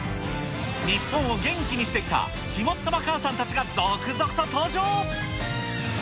日本を元気にしてきた肝っ玉母さんたちが続々と登場。